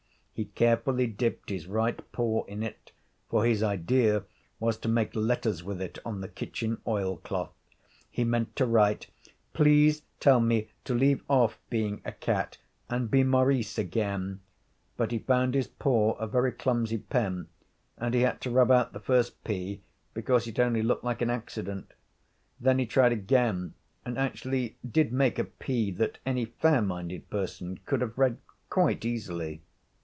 He carefully dipped his right paw in it, for his idea was to make letters with it on the kitchen oil cloth. He meant to write: 'Please tell me to leave off being a cat and be Maurice again,' but he found his paw a very clumsy pen, and he had to rub out the first 'P' because it only looked like an accident. Then he tried again and actually did make a 'P' that any fair minded person could have read quite easily.